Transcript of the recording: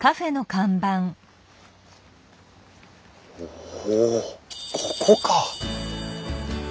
おおここか！